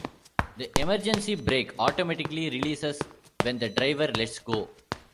The emergency brake automatically releases when the driver lets go.